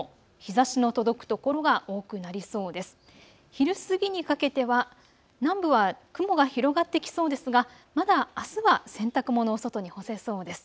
昼過ぎにかけては南部は雲が広がってきそうですがまだあすは洗濯物、外に干せそうです。